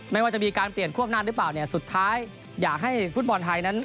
ไม่ว่าจะมีการเปลี่ยนควบหน้าหรือเปล่าเนี่ยสุดท้ายอยากให้ฟุตบอลไทยนั้น